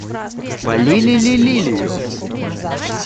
Полили ли лилию?